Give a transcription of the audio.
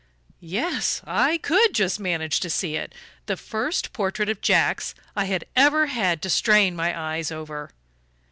Yes I could just manage to see it the first portrait of Jack's I had ever had to strain my eyes over!